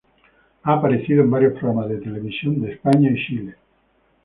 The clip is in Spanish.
Ha aparecido en varios programas de televisión de España y Chile.